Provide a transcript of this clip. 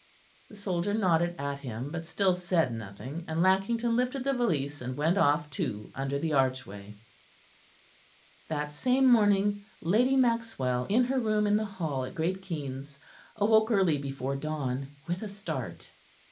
The soldier nodded at him; but still said nothing; and Lackington lifted the valise and went off too under the archway. That same morning Lady Maxwell in her room in the Hall at Great Keynes awoke early before dawn with a start.